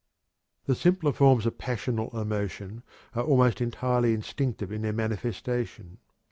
The simpler forms of passional emotion are almost entirely instinctive in their manifestation.